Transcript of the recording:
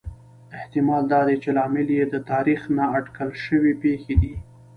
احتمال دا دی چې لامل یې د تاریخ نا اټکل شوې پېښې دي